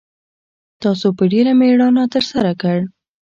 تاسو په ډېره میړانه ترسره کړ